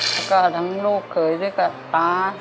แล้วก็ทั้งลูกเขยก็ตา